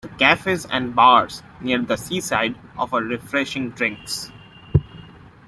The cafes and bars near the seaside offer refreshing drinks.